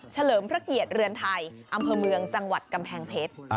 เลิมพระเกียรติเรือนไทยอำเภอเมืองจังหวัดกำแพงเพชร